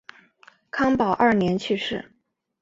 康保二年去世。